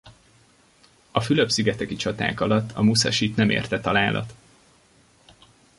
A Fülöp-szigeteki csaták alatt a Muszasit nem érte találat.